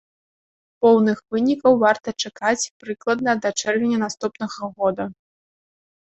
Поўных вынікаў варта чакаць, прыкладна, да чэрвеня наступнага года.